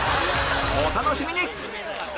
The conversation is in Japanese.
お楽しみに！